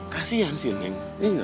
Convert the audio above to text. kasihan si neng